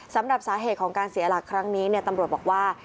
สำหรับสาเหตุของการเสียหลักครั้งนี้ตำรวจบอกว่า